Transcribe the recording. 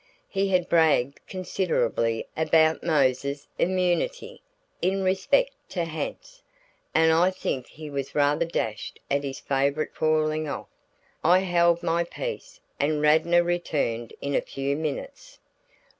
He had bragged considerably about Mose's immunity in respect to ha'nts, and I think he was rather dashed at his favorite's falling off. I held my peace, and Radnor returned in a few minutes.